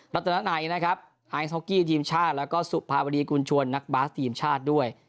ัตนานัยนะครับไอซ็อกกี้ทีมชาติแล้วก็สุภาวดีกุญชวนนักบาสทีมชาติด้วย